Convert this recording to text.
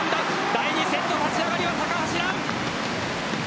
第２セット立ち上がりは高橋藍。